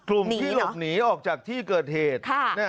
กลุ่มที่หลบหนีออกจากที่เกิดเหตุ